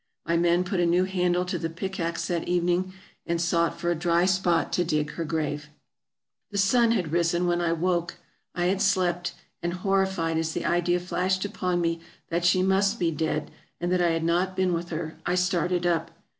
My men put a new handle to the pickaxe that evening ,and sought for a dry spot to dig her grave ! The sun had risen when I woke. I had slept, and, horrified as the idea flashed upon me that she must be dead, and that I had not been with her, I started up.